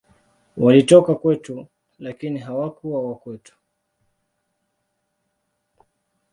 Walitoka kwetu, lakini hawakuwa wa kwetu.